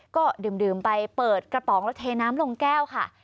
ก็ดื่มไปเปิดกระป๋องแล้วเทน้ำลงแก้วค่ะ